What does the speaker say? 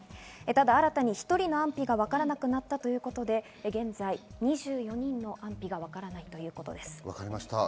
新たに１人の安否がわからなくなったということで、現在２４人の安否がわからないということです。